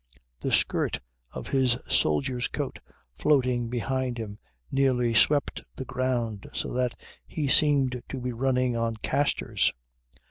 The skirt of his soldier's coat floating behind him nearly swept the ground so that he seemed to be running on castors.